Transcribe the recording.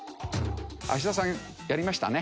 芦田さんやりましたね？